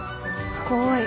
すごい。